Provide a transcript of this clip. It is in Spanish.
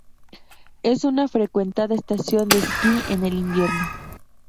Es una frecuentada estación de esquí en el invierno.